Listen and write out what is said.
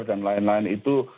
dan lain lain itu